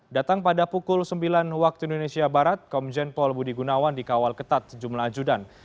datang pada pukul sembilan waktu indonesia barat komjen paul budi gunawan dikawal ketat sejumlah ajudan